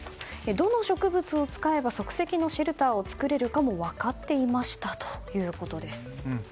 どの植物を使えば即席のシェルターを作れるかも分かっていましたということです。